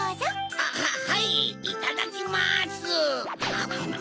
あっはいいただきます！